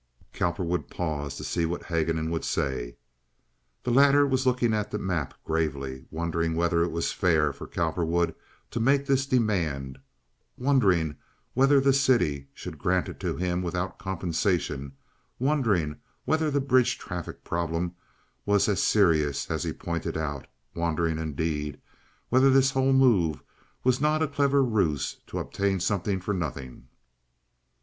Cowperwood paused to see what Haguenin would say. The latter was looking at the map gravely, wondering whether it was fair for Cowperwood to make this demand, wondering whether the city should grant it to him without compensation, wondering whether the bridge traffic problem was as serious as he pointed out, wondering, indeed, whether this whole move was not a clever ruse to obtain something for nothing.